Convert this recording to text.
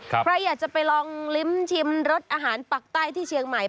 ใครอยากจะไปลองลิ้มชิมรสอาหารปักใต้ที่เชียงใหม่